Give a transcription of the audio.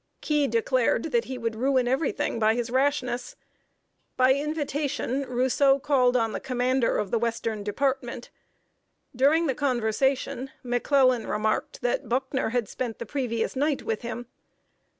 ] Key declared that he would ruin every thing by his rashness. By invitation, Rousseau called on the commander of the Western Department. During the conversation, McClellan remarked that Buckner had spent the previous night with him.